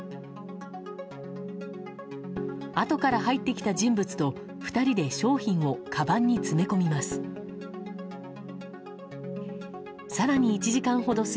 あとから入ってきた人物と２人で商品をかばんに詰め込みます。